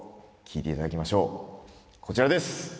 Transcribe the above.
こちらです！